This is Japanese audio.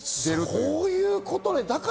そういうことね。